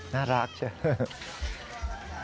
น่ารักใช่ไหม